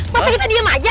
masa kita diem aja